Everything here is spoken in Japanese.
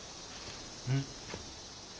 うん？